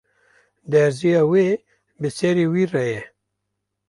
Derziya wê bi serî wî re ye